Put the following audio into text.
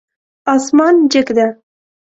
اسمان جګ ده